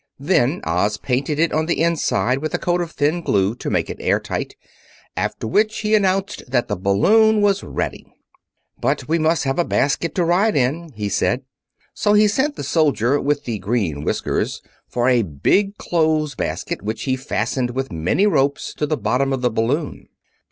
Then Oz painted it on the inside with a coat of thin glue, to make it airtight, after which he announced that the balloon was ready. "But we must have a basket to ride in," he said. So he sent the soldier with the green whiskers for a big clothes basket, which he fastened with many ropes to the bottom of the balloon.